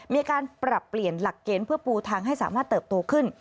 มีการปรับเปลี่ยนหลักเกณฑ์เพื่อปูทางให้สามารถเติบโตขึ้น